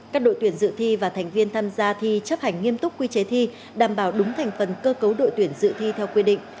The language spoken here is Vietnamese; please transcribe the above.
các đội tuyển dự thi và thành viên tham gia thi chấp hành nghiêm túc quy chế thi đảm bảo đúng thành phần cơ cấu đội tuyển dự thi theo quy định